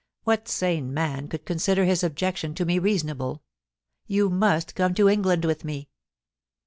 What sane man could consider his objection to me reasonable ? You must come to England with me.'